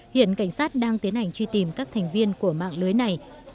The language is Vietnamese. hiện cảnh sát đang tiến hành truy tìm các thành viên của mạng lưới này